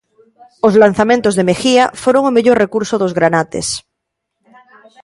Os lanzamentos de Mejía foron o mellor recurso dos granates.